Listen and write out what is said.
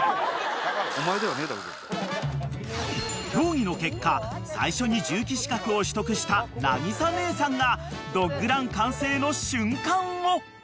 ［協議の結果最初に重機資格を取得したなぎさ姉さんがドッグラン完成の瞬間を！］